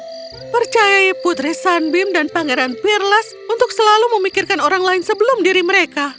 kau harus percaya putri san bim dan pangeran pirlas untuk selalu memikirkan orang lain sebelum diri mereka